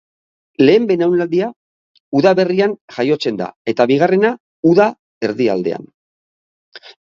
Lehen belaunaldia udaberrian jaiotzen da, eta bigarrena uda erdialdean.